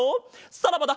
さらばだ